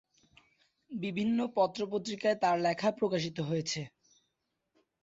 বিভিন্ন পত্র-পত্রিকায় তার লেখা প্রকাশিত হয়েছে।